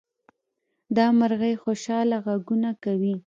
دا مرغۍ خوشحاله غږونه کوي.